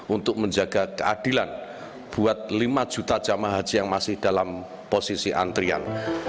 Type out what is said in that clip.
untuk menjaga keadilan buat lima juta jamaah haji yang masih dalam posisi antrian